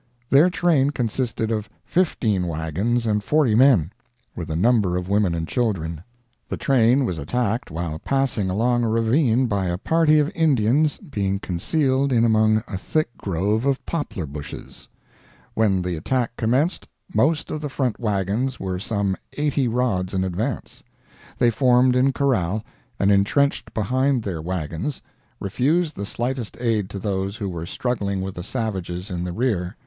Their train consisted of 15 wagons and 40 men, with a number of women and children. The train was attacked while passing along a ravine by a party of Indians being concealed in among a thick growth of poplar bushes. When the attack commenced, most of the front wagons were some 80 rods in advance. They formed in corral, and intrenched behind their wagons, refused the slightest aid to those who were struggling with the savages in the rear.